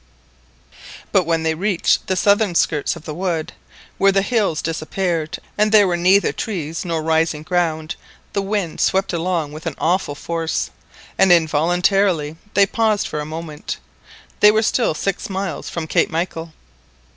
But when they reached the southern skirts of the wood, where the hills disappeared, and there were neither trees nor rising ground, the wind swept along with awful force, and involuntarily they paused for a moment. They were still six miles from Cape Michael.